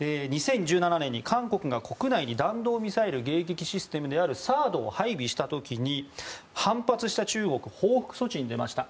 ２０１７年に韓国が国内に弾道ミサイル迎撃システムＴＨＡＡＤを配備した時に、反発した中国が報復措置に出ました。